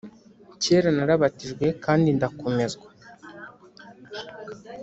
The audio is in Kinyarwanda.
kera narabatijwe kandi ndakomezwa,